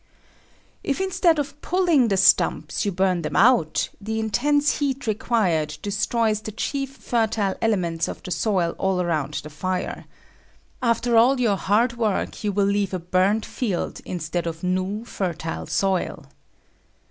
If instead of pulling the stumps, you burn them out, the intense heat required destroys the chief fertile elements of the soil all around the fire. After all your hard work you will leave a burned field instead of new, fertile soil.